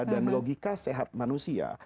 dan logika sehat manusia